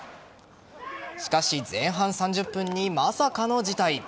しかし、前半３０分にまさかの事態。